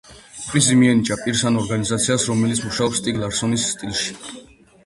პრიზი მიენიჭა პირს ან ორგანიზაციას, რომელიც მუშაობს სტიგ ლარსონის სტილში.